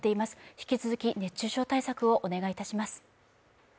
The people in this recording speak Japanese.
引き続き熱中症対策をお願いいたします。